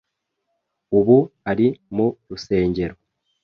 Ubu ari mu rusengero.